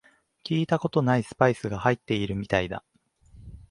聞いたことないスパイスが入ってるみたいだ